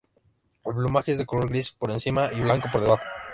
El plumaje es de color gris por encima y blanco por debajo.